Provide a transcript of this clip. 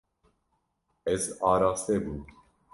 Ez araste bûm.